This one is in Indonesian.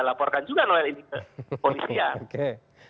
melaporkan juga noelle ini ke polisian